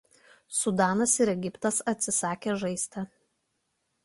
Sudanas ir Egiptas atsisakė žaisti.